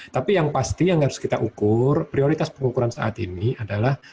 tapi yang pasti yang harus kita ukur prioritas pengukuran saat ini adalah